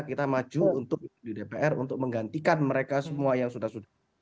kita maju untuk di dpr untuk menggantikan mereka semua yang sudah sudah